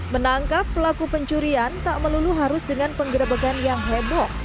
menangkap pelaku pencurian tak melulu harus dengan penggerebekan yang heboh